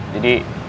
jadi gue makan